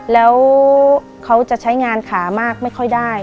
แล้วเขาจะใช้งานขามากไม่ค่อยได้